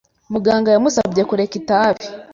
Muganga yamusabye kureka itabi.